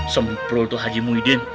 semprul tuh haji muhyiddin